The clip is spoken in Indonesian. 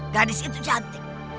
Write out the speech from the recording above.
gadis itu cantik